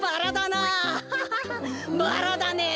バラだねえ。